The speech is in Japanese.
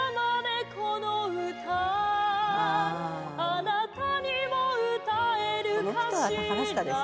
「あなたにも歌えるかしら」